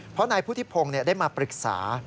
เพราะนายพุทธิพงศ์ได้มาปรึกษา